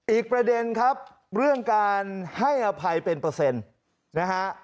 อีกประเด็นครับเรื่องการให้อภัยเป็นเปอร์เซ็นต์นะฮะ